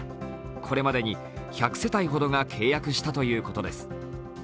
これまでに１００世帯ほどが契約したということです。